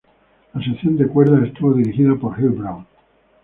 La sección de cuerdas, estuvo dirigida por Earl Brown.